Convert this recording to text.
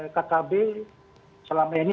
kkb selama ini